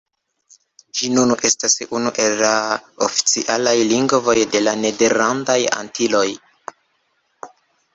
Ĝi nun estas unu el la oficialaj lingvoj de la Nederlandaj Antiloj.